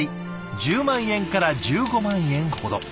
１０万円から１５万円ほど。